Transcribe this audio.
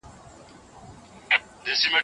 ولي کندهار کي د صنعت لپاره مهارت مهم دی؟